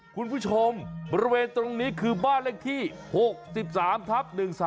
คุณผู้ชมบริเวณตรงนี้คือบ้านเลขที่๖๓ทับ๑๓